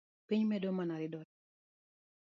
Piny medo mana ridore